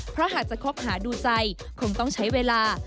เพราะหากจะคบหาดูใจคงต้องใช้เวลา